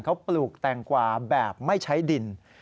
เขาปลูกแตงกวาแบบไม่ใช้ดิน